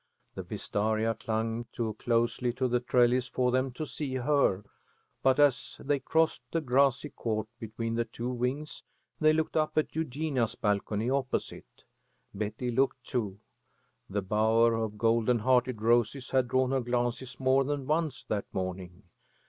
The wistaria clung too closely to the trellis for them to see her, but, as they crossed the grassy court between the two wings, they looked up at Eugenia's balcony opposite. Betty looked too. That bower of golden hearted roses had drawn her glances more than once that morning.